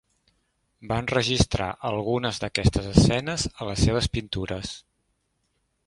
Va enregistrar algunes d'aquestes escenes a les seves pintures.